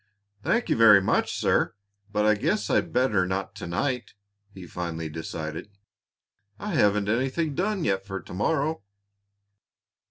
"Thank you very much, sir, but I guess I'd better not to night," he finally decided. "I haven't anything done yet for to morrow."